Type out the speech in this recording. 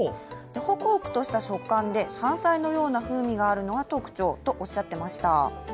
ホクホクとした食感で山菜のような風味があるのが特徴とおっしゃっていました。